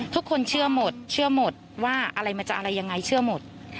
ทุกคนเชื่อหมดเชื่อหมดว่าอะไรมันจะอะไรยังไงเชื่อหมด